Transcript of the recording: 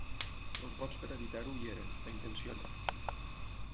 Els vots per evitar-ho hi eren, la intenció no.